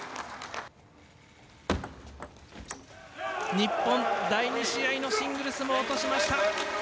日本、第２試合のシングルスも落としました。